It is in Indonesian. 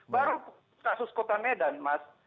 baru kasus kota medan mas